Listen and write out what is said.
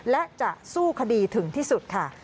และจะสู้คดีถึงที่สุดค่ะ